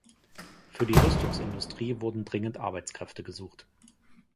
Für die Rüstungsindustrie wurden dringend Arbeitskräfte gesucht.